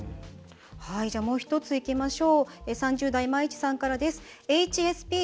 もう１ついきましょう。